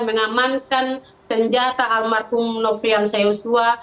mengamankan senjata almarhum noviang seusua